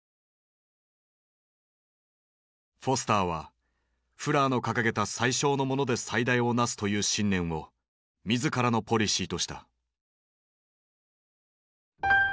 フォスターはフラーの掲げた「最小のもので最大をなす」という信念を自らのポリシーとした。